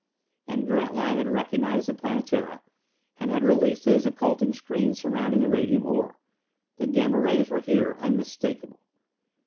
And Grantline had recognized the Planetara, and had released his occulting screens surrounding the radium ore. The Gamma rays were here, unmistakable!